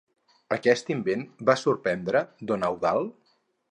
Aquest invent va sorprendre don Eudald?